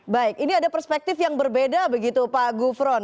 baik ini ada perspektif yang berbeda begitu pak gufron